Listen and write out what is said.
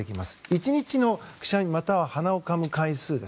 １日のくしゃみ、または鼻をかむ回数。